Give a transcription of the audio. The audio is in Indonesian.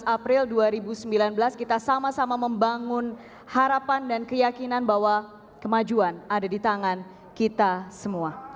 dua belas april dua ribu sembilan belas kita sama sama membangun harapan dan keyakinan bahwa kemajuan ada di tangan kita semua